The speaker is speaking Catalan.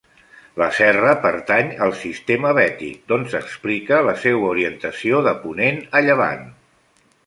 La serra pertany al sistema Bètic, d'on s'explica la seua orientació de ponent a llevant.